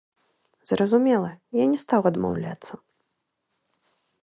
Зразумела, я не стаў адмаўляцца.